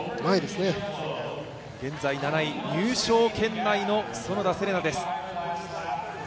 現在７位、入賞圏内の園田世玲奈です。